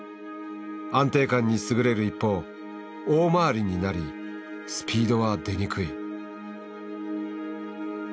安定感に優れる一方大回りになりスピードは出にくい。